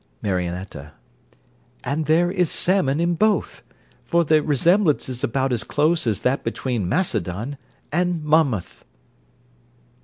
MARIONETTA 'And there is salmon in both;' for the resemblance is about as close as that between Macedon and Monmouth.